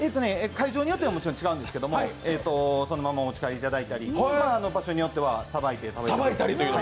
会場によって違うんですけどそのままお持ち帰りいただいたり、場所によってはさばいて食べたり。